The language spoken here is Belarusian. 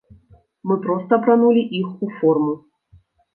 Мы проста апранулі іх у форму.